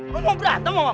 lu mau berantem sama gue